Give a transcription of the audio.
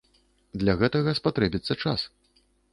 Для гэтага спатрэбіцца час.